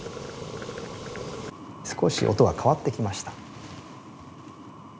少し音が変わってきました。